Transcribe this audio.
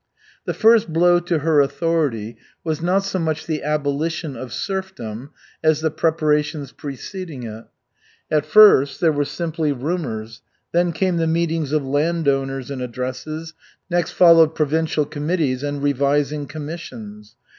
The first blow to her authority was not so much the abolition of serfdom as the preparations preceding it. At first, there were simply rumors, then came the meetings of landowners and addresses, next followed provincial committees, and revising commissions.